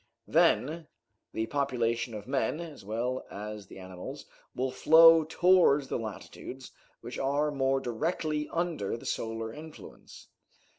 Then the population of men, as well as the animals, will flow towards the latitudes which are more directly under the solar influence.